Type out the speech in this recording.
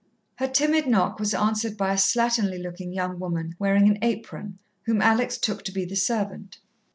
Her timid knock was answered by a slatternly looking young woman wearing an apron, whom Alex took to be the servant.